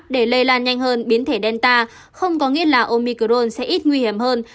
để lây lan nhanh hơn biến thể delta không có nghĩa là omicron sẽ ít nguy hiểm hơn